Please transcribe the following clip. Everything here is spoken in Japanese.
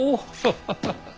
ハハハハ。